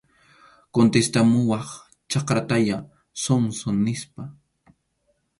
Contestamuwaq chakratayá, zonzo, nispa.